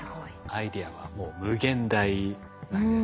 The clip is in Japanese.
アイデアはもう無限大なんですね。